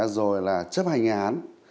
rồi là chấp hành án